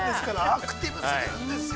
アクティブ過ぎるんですよ。